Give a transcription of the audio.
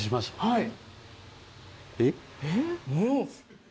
はい。